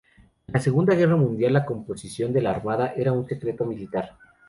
En la Segunda Guerra Mundial, la composición de la Armada era un secreto militar.